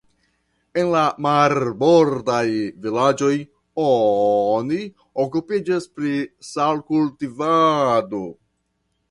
En la marbordaj vilaĝoj oni okupiĝas pri salkultivado.